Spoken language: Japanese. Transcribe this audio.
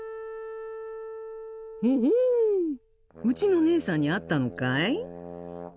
うちのねえさんに会ったのかい？